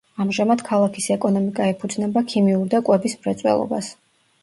ამჟამად ქალაქის ეკონომიკა ეფუძნება ქიმიურ და კვების მრეწველობას.